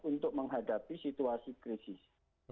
untuk menghadapi situasi krisis